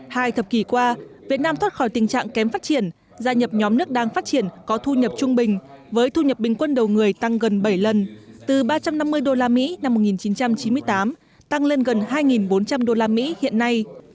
hai thập kỷ qua việt nam thoát khỏi tình trạng kém phát triển gia nhập nhóm nước đang phát triển có thu nhập trung bình với thu nhập bình quân đầu người tăng gần bảy lần từ ba trăm năm mươi usd năm một nghìn chín trăm chín mươi tám tăng lên gần hai bốn trăm linh usd hiện nay